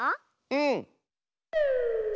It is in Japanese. うん！